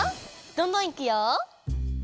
どんどんいくよ。